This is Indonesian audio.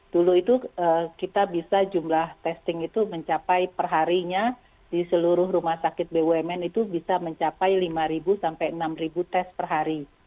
dulu itu kita bisa jumlah testing itu mencapai perharinya di seluruh rumah sakit bumn itu bisa mencapai lima sampai enam tes per hari